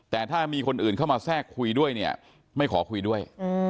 แต่ถ้ามีคนอื่นเข้ามาแทรกคุยด้วยเนี่ยไม่ขอคุยด้วย